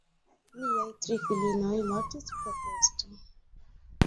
Liaj tri filinoj mortis pro pesto.